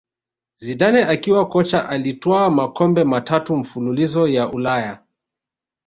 Zidane akiwa kocha alitwaa makombe matatu mfululizo ya Ulaya